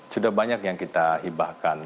sudah banyak yang kita hibahkan